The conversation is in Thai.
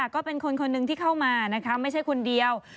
ก็เป็นคนคนหนึ่งที่เข้ามานะคะไม่ใช่คนเดียว